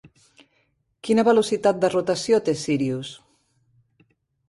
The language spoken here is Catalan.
Quina velocitat de rotació té Sírius?